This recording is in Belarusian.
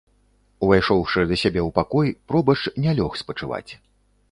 Увайшоўшы да сябе ў пакой, пробашч не лёг спачываць.